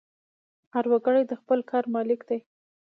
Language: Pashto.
هر وګړی د خپل کار مالک دی.